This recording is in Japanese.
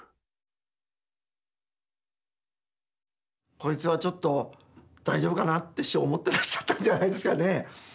「こいつはちょっと大丈夫かな」って師匠思ってらっしゃったんじゃないですかねえ。